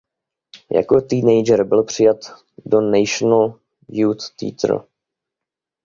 Jako teenager byl přijat do National Youth Theatre.